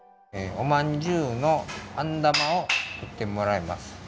おまんじゅうのあんだまを作ってもらいます。